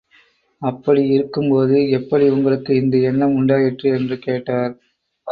அப்படி இருக்கும்போது, எப்படி உங்களுக்கு இந்த எண்ணம் உணடாயிற்று? என்று கேட்டார்.